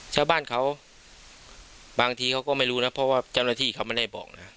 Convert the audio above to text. ชาวบ้านเขาบางทีเขาก็ไม่รู้นะเพราะว่าเจ้าหน้าที่เขาไม่ได้บอกนะ